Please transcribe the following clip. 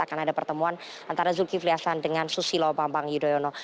akan ada pertemuan antara zulkifli hasan dengan susilo bambang yudhoyono